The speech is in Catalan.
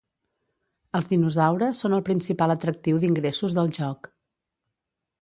Els dinosaures són el principal atractiu d'ingressos del joc.